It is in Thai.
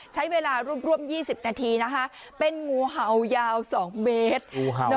ใช้เวลารุ่มร่วมยี่สิบนาทีนะคะเป็นงูเหายาสองเมตรงูเหาด้วย